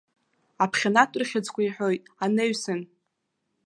Аԥхьанатә рыхьӡқәа иҳәоит, анаҩсан.